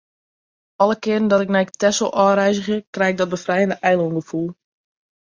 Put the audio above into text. Alle kearen dat ik nei Texel ôfreizgje, krij ik dat befrijende eilângefoel.